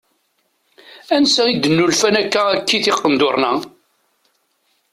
Ansa i d-nulfan akka akkit iqenduṛen-a?